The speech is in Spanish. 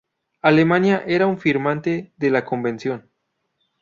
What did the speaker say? Alemania era un firmante de la Convención.